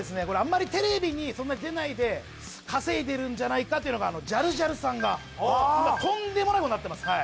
これあんまりテレビにそんなに出ないで稼いでるんじゃないかっていうのがジャルジャルさんが今とんでもないことになってます